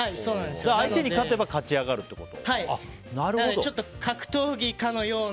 相手に勝てば勝ち上がるってこと？